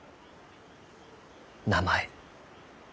名前。